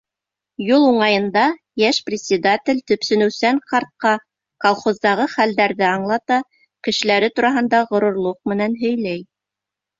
Юл уңайында йәш председатель төпсөнөүсән ҡартҡа колхоздағы хәлдәрҙе аңлата, кешеләре тураһында ғорурлыҡ менән һөйләй.